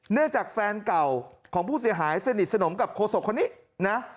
จากแฟนเก่าของผู้เสียหายสนิทสนมกับโฆษกคนนี้นะ